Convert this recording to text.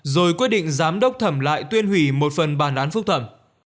rồi quyết định giám đốc thẩm lại tuyên hủy một phần bản án phúc thẩm